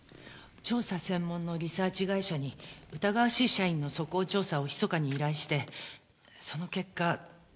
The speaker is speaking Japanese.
調査専門のリサーチ会社に疑わしい社員の素行調査をひそかに依頼してその結果。